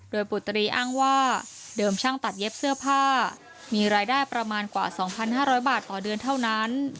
โดยปุตรีอ้างว่าเดิมช่างตัดเย็บเสื้อผ้ามีรายได้ประมาณกว่า๒๕๐๐บาทต่อเดือนเท่านั้น